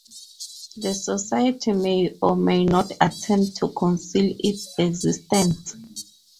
The society may or may not attempt to conceal its existence.